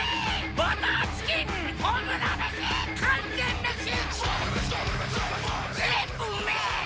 バターチキン炎メシ完全メシ